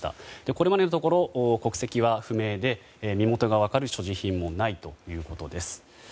これまでのところ、国籍は不明で身元が分かる所持品もないということです。